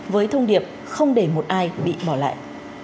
với thông điệp không để một ai bị bỏ lại